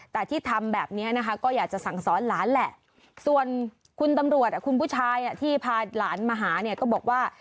แต่ที่ทำแบบนี้นะคะก็อยากจะสั่งสอนหลานแหละส่วนคุณตำรวจคุณผู้ชายที่พาหลานมาหาเนี่ยก็บอกว่า